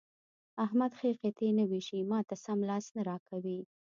احمد ښې قطعې نه وېشي؛ ما ته سم لاس نه راکوي.